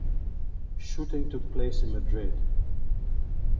Shooting took place in Madrid.